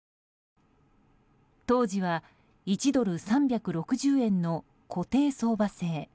当時は１ドル＝３６０円の固定相場制。